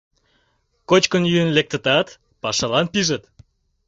Кочкын-йӱын лектытат, пашалан пижыт.